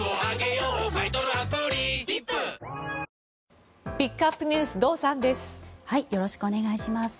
よろしくお願いします。